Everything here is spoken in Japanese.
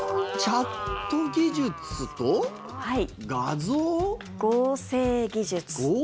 チャット技術と画像合成技術。